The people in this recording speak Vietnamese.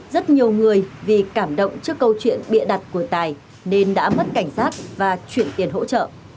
rất nhiều người vì cảm động trước câu chuyện bịa đặt của tài nên đã mất cảnh sát và chuyển tiền hỗ trợ